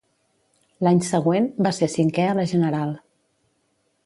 L'any següent, va ser cinqué a la general.